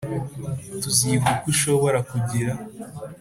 tuziga uko ushobora kugira